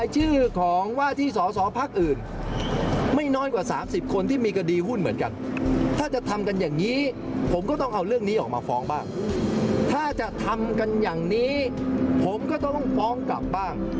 จนถึงทุกวันนี้เรายังไม่พร้อมกลับ